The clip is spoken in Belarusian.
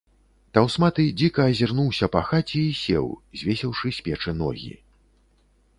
Таўсматы дзіка азірнуўся па хаце і сеў, звесіўшы з печы ногі.